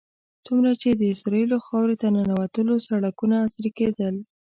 څومره چې د اسرائیلو خاورې ته ننوتلو سړکونه عصري کېدل.